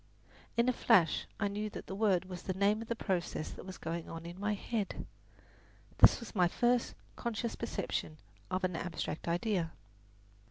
In a flash I knew that the word was the name of the process that was going on in my head. This was my first conscious perception of an abstract idea.